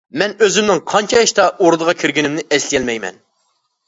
مەن ئۆزۈمنىڭ قانچە ياشتا ئوردىغا كىرگىنىمنى ئەسلىيەلمەيمەن.